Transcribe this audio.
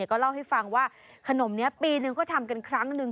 ก็เล่าให้ฟังว่าขนมนี้ปีนึงก็ทำกันครั้งหนึ่ง